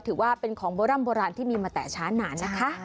ถือว่าเป็นของโบร่ำโบราณที่มีมาแต่ช้านานนะคะ